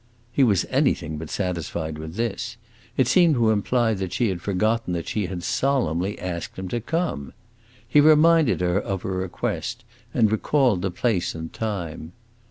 He was anything but satisfied with this; it seemed to imply that she had forgotten that she had solemnly asked him to come. He reminded her of her request, and recalled the place and time.